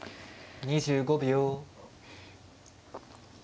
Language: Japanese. ２５秒。